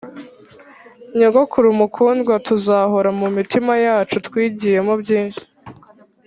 nyogokuru mukundwa, tuzahora mumitima yacu twigiyemo byinshi,